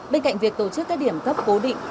bên cạnh việc tổ chức các điểm cấp cố định